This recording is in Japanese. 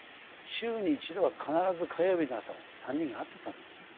週に一度は必ず火曜日の朝３人が会っていたんですね。